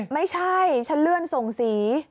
ไม่ใช่ฉันเลื่อนส่งสี